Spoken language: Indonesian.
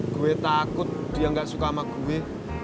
gue takut dia nggak suka sama gue